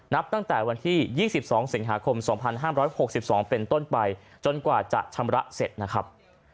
นับตั้งแต่วันที่ยี่สิบสองเสียงหาคมสองพันห้ามร้อยหกสิบสองเป็นต้นไปจนกว่าจะชำระเสร็จนะครับ